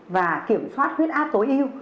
và kiểm soát huyết áp tối yêu